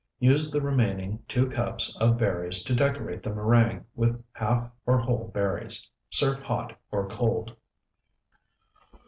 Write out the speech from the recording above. Use the remaining two cups of berries to decorate the meringue with half or whole berries. Serve hot or cold.